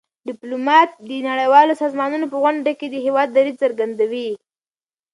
ډيپلومات د نړیوالو سازمانونو په غونډو کي د هېواد دریځ څرګندوي.